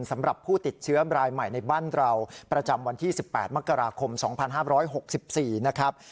สำหรับผู้ติดเชื้อรายใหม่ในบ้านเราประจำวันที่สิบแปดมกราคมสองพันห้าร้อยหกสิบสี่นะครับ